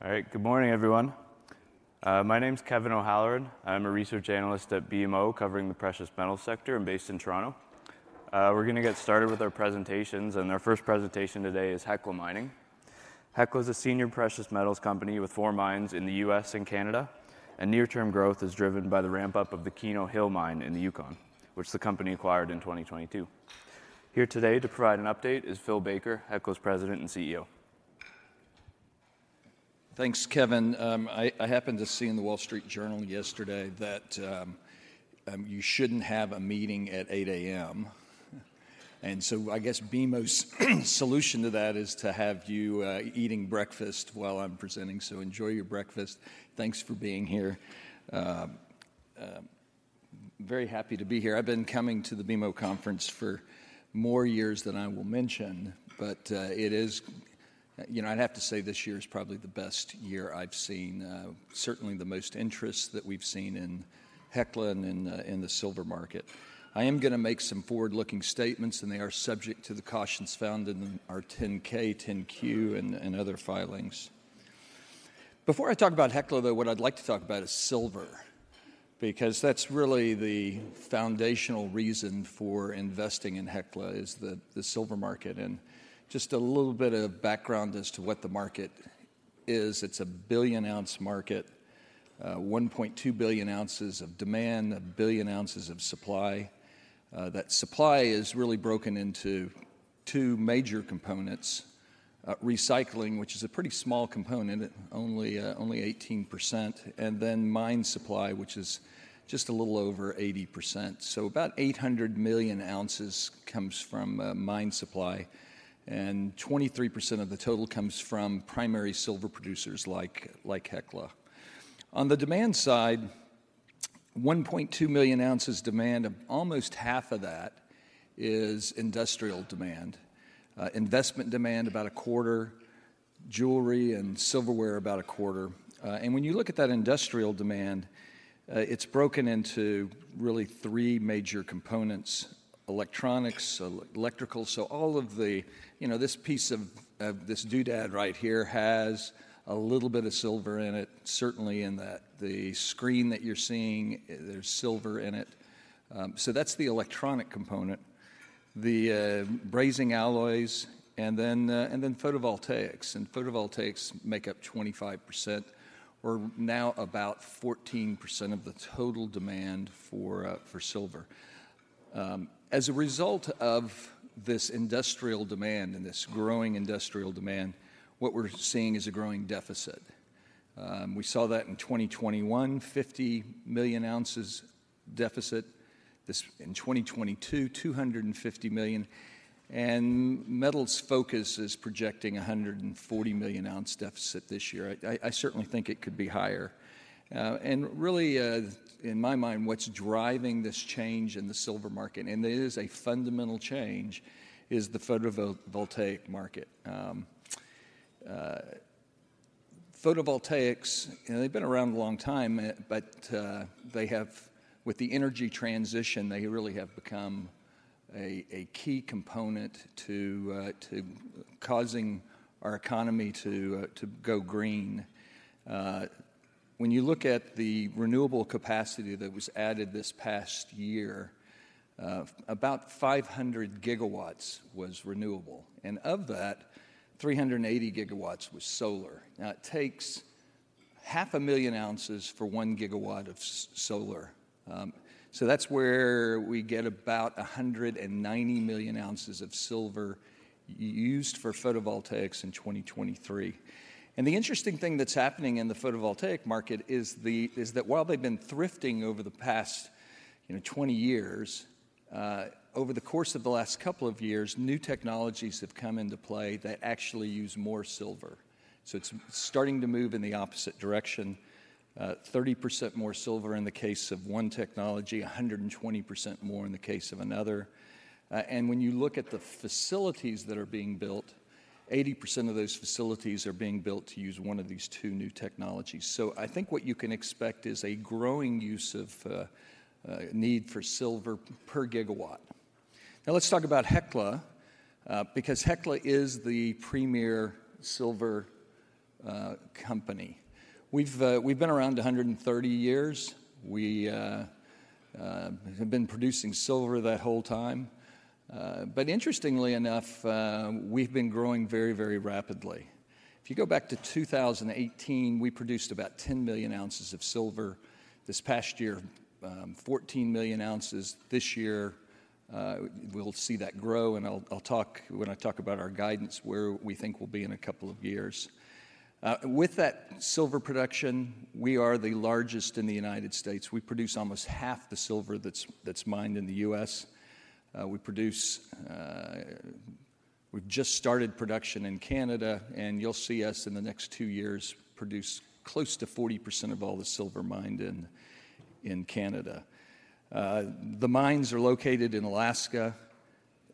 All right, good morning, everyone. My name's Kevin O'Halloran. I'm a research analyst at BMO covering the precious metals sector and based in Toronto. We're going to get started with our presentations, and our first presentation today is Hecla Mining. Hecla is a senior precious metals company with four mines in the U.S. and Canada, and near-term growth is driven by the ramp-up of the Keno Hill mine in the Yukon, which the company acquired in 2022. Here today to provide an update is Phil Baker, Hecla's President and CEO. Thanks, Kevin. I happened to see in the Wall Street Journal yesterday that you shouldn't have a meeting at 8:00A.M., and so I guess BMO's solution to that is to have you eating breakfast while I'm presenting. So enjoy your breakfast. Thanks for being here. Very happy to be here. I've been coming to the BMO conference for more years than I will mention, but it is, you know, I'd have to say this year is probably the best year I've seen, certainly the most interest that we've seen in Hecla and in the silver market. I am going to make some forward-looking statements, and they are subject to the cautions found in our 10-K, 10-Q, and other filings. Before I talk about Hecla, though, what I'd like to talk about is silver, because that's really the foundational reason for investing in Hecla, is the, the silver market. Just a little bit of background as to what the market is: it's a billion-ounce market, 1.2 billion ounces of demand, one billion ounces of supply. That supply is really broken into two major components: recycling, which is a pretty small component, only, only 18%, and then mine supply, which is just a little over 80%. So about 800 million ounces comes from, mine supply, and 23% of the total comes from primary silver producers like, like Hecla. On the demand side, 1.2 million ounces demand, almost half of that is industrial demand, investment demand about a quarter, jewelry and silverware about a quarter. And when you look at that industrial demand, it's broken into really three major components: electronics, electrical. So all of the, you know, this piece of, of this doodad right here has a little bit of silver in it, certainly in that the screen that you're seeing, there's silver in it. So that's the electronic component, the, brazing alloys, and then, and then photovoltaics. And photovoltaics make up 25%, or now about 14% of the total demand for, for silver. As a result of this industrial demand and this growing industrial demand, what we're seeing is a growing deficit. We saw that in 2021, 50 million ounces deficit; this in 2022, 250 million ounces and Metals Focus is projecting a 140 million ounce deficit this year. I certainly think it could be higher. And really, in my mind, what's driving this change in the silver market, and it is a fundamental change, is the photovoltaic market. Photovoltaics, you know, they've been around a long time, but they have, with the energy transition, they really have become a key component to causing our economy to go green. When you look at the renewable capacity that was added this past year, about 500 GW was renewable, and of that, 380 GW was solar. Now, it takes 500,000 ounces for 1 GW of solar. So that's where we get about 190 million ounces of silver used for photovoltaics in 2023. The interesting thing that's happening in the photovoltaic market is that while they've been thrifting over the past, you know, 20 years, over the course of the last couple of years, new technologies have come into play that actually use more silver. So it's starting to move in the opposite direction: 30% more silver in the case of one technology, 120% more in the case of another. And when you look at the facilities that are being built, 80% of those facilities are being built to use one of these two new technologies. So I think what you can expect is a growing use of need for silver per gigawatt. Now, let's talk about Hecla, because Hecla is the premier silver company. We've been around 130 years. We have been producing silver that whole time. But interestingly enough, we've been growing very, very rapidly. If you go back to 2018, we produced about 10 million ounces of silver. This past year, 14 million ounces. This year, we'll see that grow, and I'll talk when I talk about our guidance where we think we'll be in a couple of years. With that silver production, we are the largest in the United States. We produce almost half the silver that's mined in the U.S. We produce, we've just started production in Canada, and you'll see us in the next two years produce close to 40% of all the silver mined in, in Canada. The mines are located in Alaska,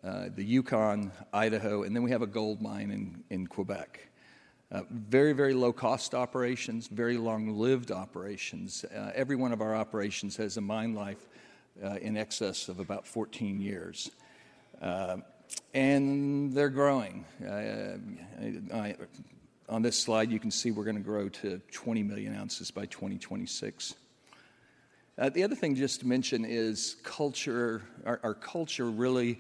the Yukon, Idaho, and then we have a gold mine in, in Quebec. Very, very low-cost operations, very long-lived operations. Every one of our operations has a mine life in excess of about 14 years, and they're growing. On this slide, you can see we're going to grow to 20 million ounces by 2026. The other thing just to mention is culture. Our, our culture really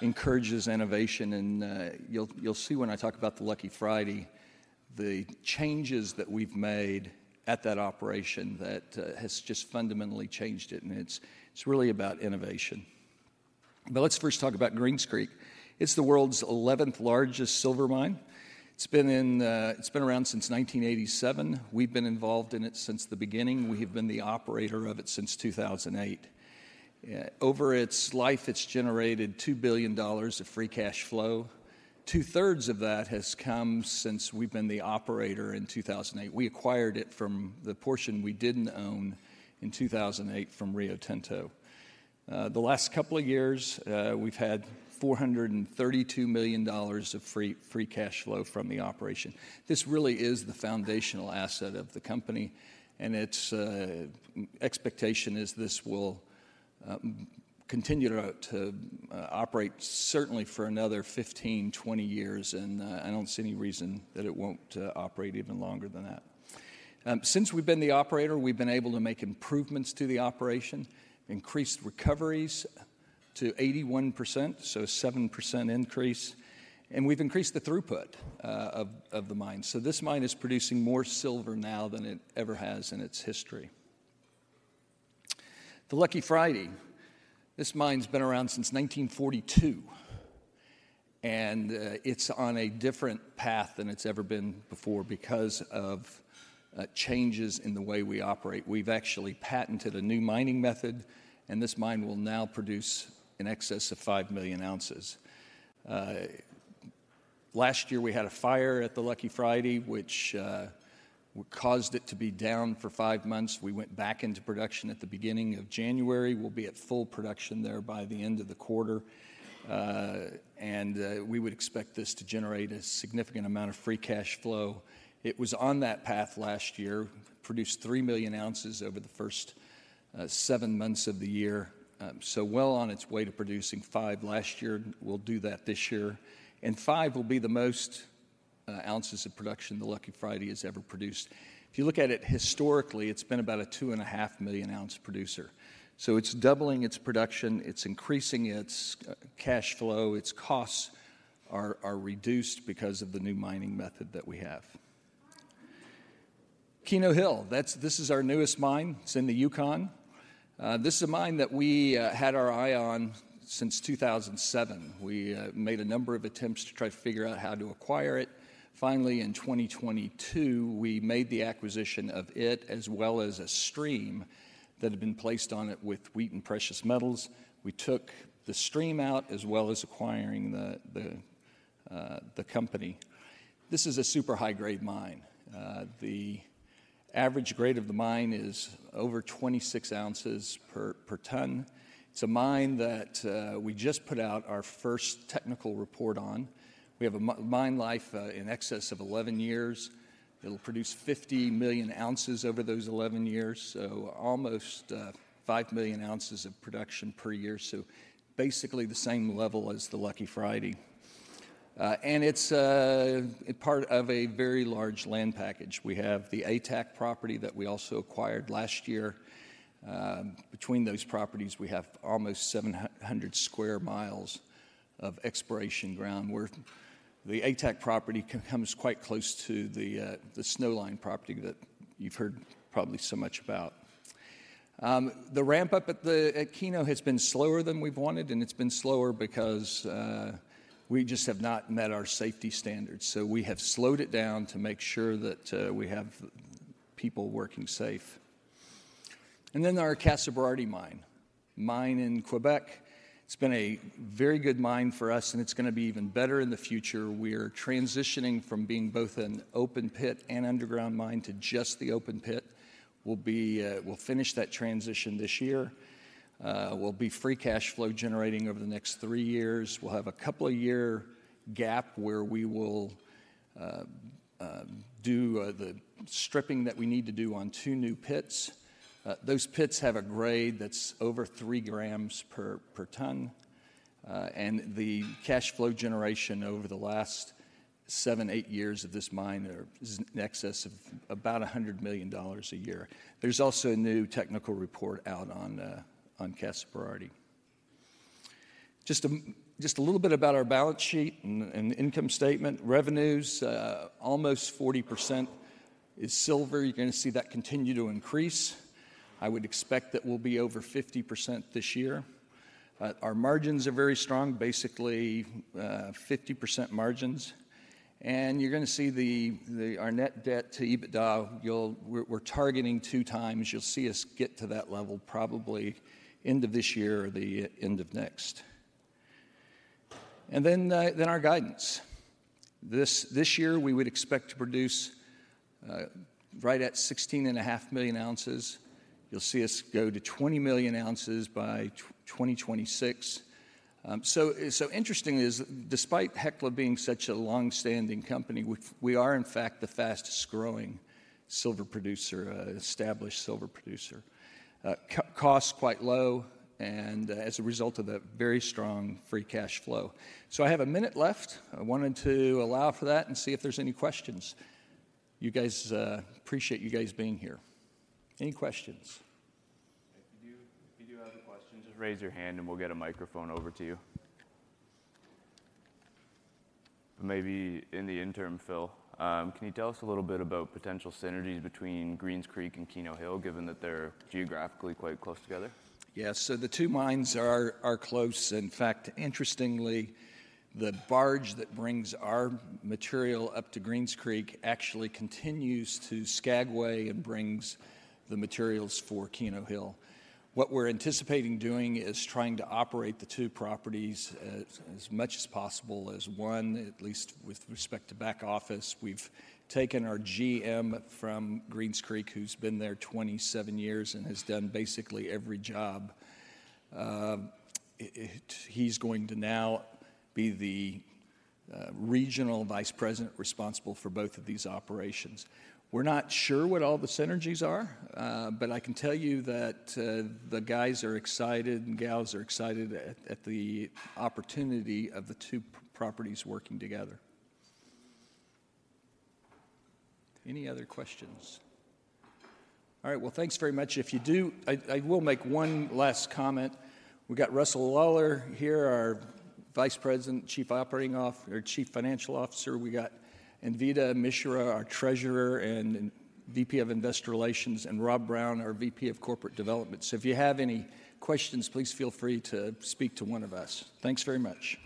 encourages innovation, and, you'll see when I talk about the Lucky Friday the changes that we've made at that operation that, has just fundamentally changed it, and it's, it's really about innovation. But let's first talk about Greens Creek. It's the world's 11th largest silver mine. It's been in, it's been around since 1987. We've been involved in it since the beginning. We have been the operator of it since 2008. Over its life, it's generated $2 billion of free cash flow. Two-thirds of that has come since we've been the operator in 2008. We acquired it from the portion we didn't own in 2008 from Rio Tinto. The last couple of years, we've had $432 million of free cash flow from the operation. This really is the foundational asset of the company, and its expectation is this will continue to operate certainly for another 15-20 years, and I don't see any reason that it won't operate even longer than that. Since we've been the operator, we've been able to make improvements to the operation, increased recoveries to 81%, so a 7% increase, and we've increased the throughput of the mine. So this mine is producing more silver now than it ever has in its history. The Lucky Friday, this mine's been around since 1942, and it's on a different path than it's ever been before because of changes in the way we operate. We've actually patented a new mining method, and this mine will now produce in excess of five million ounces. Last year, we had a fire at the Lucky Friday, which caused it to be down for five months. We went back into production at the beginning of January. We'll be at full production there by the end of the quarter. We would expect this to generate a significant amount of free cash flow. It was on that path last year, produced three million ounces over the first seven months of the year. So well on its way to producing five last year. We'll do that this year, and five will be the most ounces of production the Lucky Friday has ever produced. If you look at it historically, it's been about a two and a half million ounce producer. So it's doubling its production. It's increasing its cash flow. Its costs are reduced because of the new mining method that we have. Keno Hill. That's this is our newest mine. It's in the Yukon. This is a mine that we had our eye on since 2007. We made a number of attempts to try to figure out how to acquire it. Finally, in 2022, we made the acquisition of it as well as a stream that had been placed on it with Wheaton Precious Metals. We took the stream out as well as acquiring the company. This is a super high-grade mine. The average grade of the mine is over 26 ounces per ton. It's a mine that we just put out our first technical report on. We have a mine life in excess of 11 years. It'll produce 50 million ounces over those 11 years, so almost five million ounces of production per year, so basically the same level as the Lucky Friday. And it's part of a very large land package. We have the ATAC property that we also acquired last year. Between those properties, we have almost 700 sq mi of exploration ground where the ATAC property comes quite close to the Snowline property that you've heard probably so much about. The ramp-up at Keno has been slower than we've wanted, and it's been slower because we just have not met our safety standards. So we have slowed it down to make sure that we have people working safe. And then our Casa Berardi mine in Quebec. It's been a very good mine for us, and it's going to be even better in the future. We are transitioning from being both an open pit and underground mine to just the open pit. We'll finish that transition this year. We'll be free cash flow generating over the next three years. We'll have a couple-year gap where we will do the stripping that we need to do on two new pits. Those pits have a grade that's over 3g per ton, and the cash flow generation over the last seven, eight years of this mine is in excess of about $100 million a year. There's also a new technical report out on Casa Berardi. Just a little bit about our balance sheet and the income statement revenues, almost 40% is silver. You're going to see that continue to increase. I would expect that we'll be over 50% this year. Our margins are very strong, basically 50% margins, and you're going to see the our net debt to EBITDA. You'll, we're targeting 2x. You'll see us get to that level probably end of this year or the end of next. Then our guidance. This year, we would expect to produce right at 16.5 million ounces. You'll see us go to 20 million ounces by 2026. So interestingly is despite Hecla being such a longstanding company, we are in fact the fastest growing silver producer, established silver producer. Cost quite low and, as a result of that very strong free cash flow. So I have a minute left. I wanted to allow for that and see if there's any questions. You guys appreciate you guys being here. Any questions? If you do have a question, just raise your hand and we'll get a microphone over to you. Maybe in the interim, Phil, can you tell us a little bit about potential synergies between Greens Creek and Keno Hill given that they're geographically quite close together? Yeah, so the two mines are close. In fact, interestingly, the barge that brings our material up to Greens Creek actually continues to Skagway and brings the materials for Keno Hill. What we're anticipating doing is trying to operate the two properties as, as much as possible as one, at least with respect to back office. We've taken our GM from Greens Creek, who's been there 27 years and has done basically every job. He's going to now be the, regional vice president responsible for both of these operations. We're not sure what all the synergies are, but I can tell you that, the guys are excited and gals are excited at, at the opportunity of the two properties working together. Any other questions? All right, well, thanks very much. If you do, I, I will make one last comment. We got Russell Lawlar here, our vice president, chief operating officer, or chief financial officer. We got Anvita Mishra, our Treasurer and VP of Investor Relations, and Rob Brown, our VP of Corporate Development. So if you have any questions, please feel free to speak to one of us. Thanks very much.